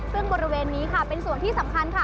ซึ่งบริเวณนี้ค่ะเป็นส่วนที่สำคัญค่ะ